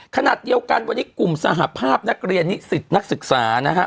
ขณะเดียวกันวันนี้กลุ่มสหภาพนักเรียนนิสิตนักศึกษานะฮะ